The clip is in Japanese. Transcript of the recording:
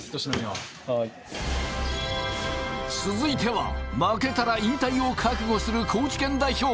はーい続いては負けたら引退を覚悟する高知県代表